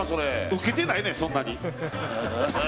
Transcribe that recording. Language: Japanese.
ボケてないねん、そんなに。